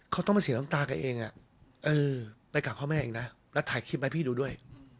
เขาต้องมาเสียน้ำตาแกเองไปกราบพ่อแม่เองนะแล้วถ่ายคลิปให้พี่ดูด้วย